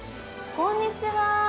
こんにちは。